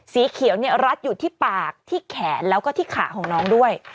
สีเขียวเนี่ยรัดอยู่ที่ปากที่แขนแล้วก็ที่ขาของน้องด้วย